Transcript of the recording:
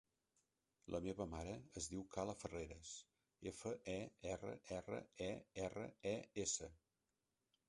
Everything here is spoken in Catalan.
La meva mare es diu Kala Ferreres: efa, e, erra, erra, e, erra, e, essa.